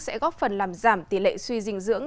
sẽ góp phần làm giảm tỷ lệ suy dinh dưỡng